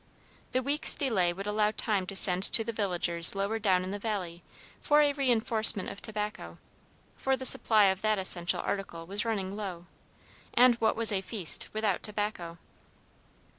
The week's delay would allow time to send to the villagers lower down in the valley for a reinforcement of tobacco, for the supply of that essential article was running low, and what was a feast without tobacco?